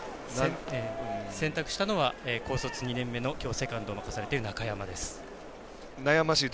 選択したのは高卒２年目のきょうセカンドの中山です。